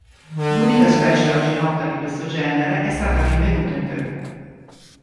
L'unica specie oggi nota di questo genere è stata rinvenuta in Perù.